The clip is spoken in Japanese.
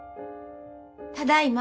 ただいま。